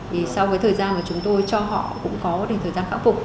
vì sau cái thời gian mà chúng tôi cho họ cũng có thời gian khắc phục